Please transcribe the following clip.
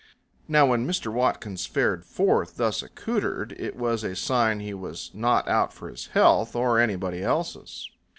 Now when Mr. Watkins fared forth thus accoutered it was a sign he was not out for his health or anybody else's.